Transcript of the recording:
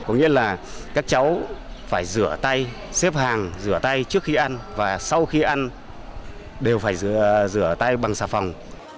có nghĩa là các cháu phải rửa tay xếp hàng rửa tay trước khi ăn và sau khi ăn đều phải rửa tay bằng xà phòng